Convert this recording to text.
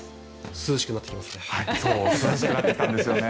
涼しくなってきますね。